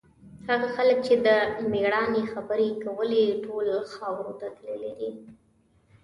هغه خلک چې د مېړانې خبرې یې کولې، ټول خاورو ته تللي دي.